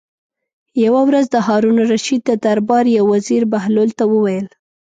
یوه ورځ د هارون الرشید د دربار یو وزیر بهلول ته وویل.